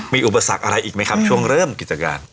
มีอุปสรรคอะไรอีกไหมครับช่วงเริ่มกิจการ